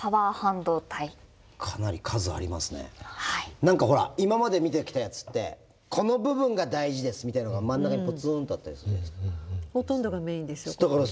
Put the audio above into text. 何かほら今まで見てきたやつってこの部分が大事ですみたいのが真ん中にぽつんとあったりするじゃないですか。